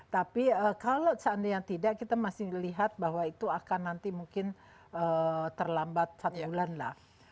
tapi kalau seandainya tidak kita masih melihat bahwa itu akan nanti mungkin terlambat satu bulan lah